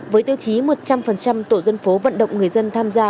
với tiêu chí một trăm linh tổ dân phố vận động người dân tham gia